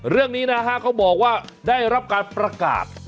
เรื่องนี้นะฮะเขาบอกว่าได้รับการประกาศ